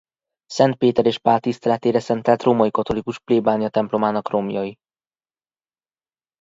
Szent Péter és Pál tiszteletére szentelt római katolikus plébániatemplomának romjai.